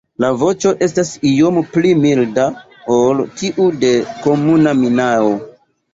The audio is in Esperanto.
La voĉo estas iom pli milda ol tiu de la Komuna minao.